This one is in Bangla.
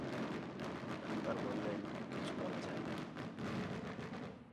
ডাক্তার বললেন, কিছু বলা যায় না।